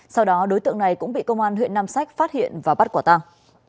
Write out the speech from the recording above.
sau đó đối tượng này cũng bị công an huyện nam sách phát hiện và bắt quả tăng